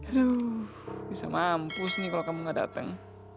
aduh bisa mampus nih kalau kamu nggak datang